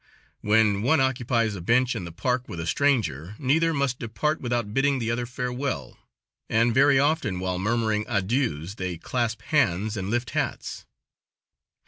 When one occupies a bench in the park with a stranger neither must depart without bidding the other farewell, and very often while murmuring adieus they clasp hands and lift hats.